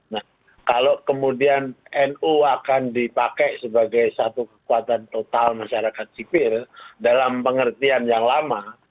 nah kalau kemudian nu akan dipakai sebagai satu kekuatan total masyarakat sipil dalam pengertian yang lama